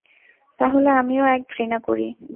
তাহলে আমিও এক ঘৃণা করি!